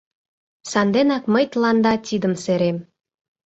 Санденак мый Тыланда тидым серем.